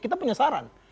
kita punya saran